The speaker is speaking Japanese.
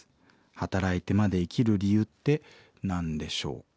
働いてまで生きる理由って何でしょうか？」。